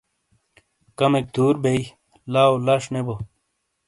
کمک دور بی لاو لش نے بو